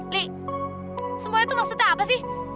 li semuanya tuh maksudnya apa sih